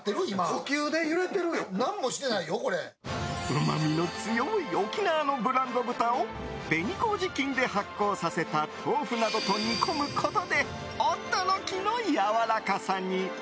うまみの強い沖縄のブランド豚を紅麹菌で発酵させた豆腐などと煮込むことで驚きのやわらかさに。